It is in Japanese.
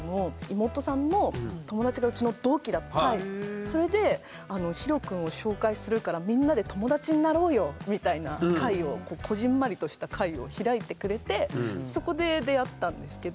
たまたまそのそれでひろ君を紹介するから「みんなで友達になろうよ」みたいな会をこぢんまりとした会を開いてくれてそこで出会ったんですけど。